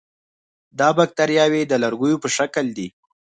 دا باکتریاوې د لرګو په شکل دي.